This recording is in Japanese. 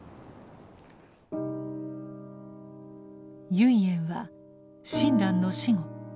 唯円は親鸞の死後